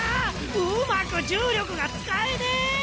うまく重力が使えねえ！